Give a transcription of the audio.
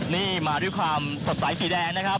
นี่มาด้วยความสดใสสีแดงนะครับ